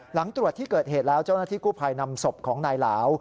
หลังตรวจที่เกิดเหตุแล้วเจ้าหน้าที่กู้ภัยนำศพของนายหลาว